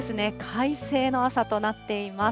快晴の朝となっています。